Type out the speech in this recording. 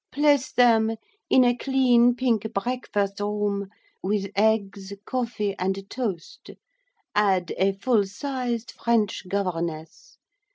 Place them in a clean pink breakfast room with eggs, coffee, and toast. Add a full sized French governess.